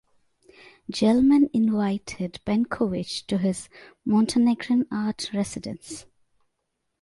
Gelman invited Benkovich to his Montenegrin art residence.